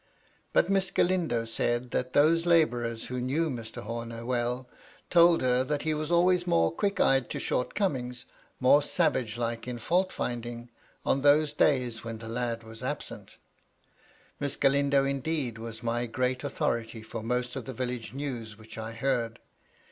But Miss Galindo said that those labourers MY LADY LUDLOW^ 245 who knew Mr. Horner well, told her that he was always more quick eyed to short comings, more savage like in fault finding, on those days when the lad was absent Miss Galindo, indeed, was my great authority for most of the village news which I heard.